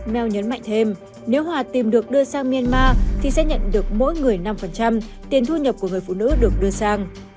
mell nhấn mạnh thêm nếu hòa tìm được đưa sang myanmar thì sẽ nhận được mỗi người năm tiền thu nhập của người phụ nữ được đưa sang